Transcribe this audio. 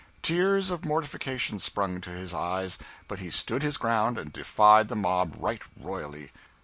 Tears of mortification sprang to his eyes, but he stood his ground and defied the mob right royally.